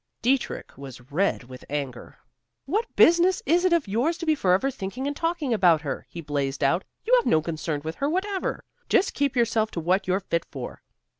Dietrich was red with anger. "What business is it of yours to be forever thinking and talking about her?" he blazed out. "You have no concern with her whatever; just keep yourself to what you're fit for."